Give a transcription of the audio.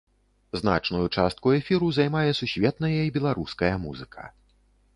Значную частку эфіру займае сусветная і беларуская музыка.